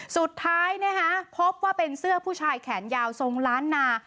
สุดท้ายพบว่าเป็นเสื้อผู้ชายแขนยาวทรงล้านนา